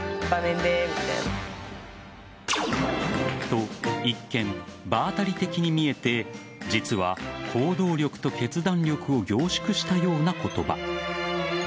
と、一見場当たり的に見えて実は、行動力と決断力を凝縮したような言葉。